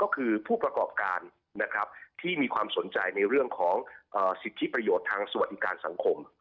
ก็คือผู้ประกอบการนะครับที่มีความสนใจในเรื่องของสิทธิประโยชน์ทางสวัสดิการสังคม